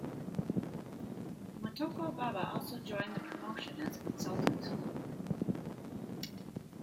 Motoko Baba also joined the promotion as a consultant.